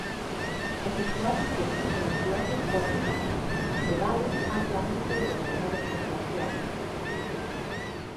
Os estuarios do tipo dos fiordes fórmanse e vales amplamente erosionados por glaciares.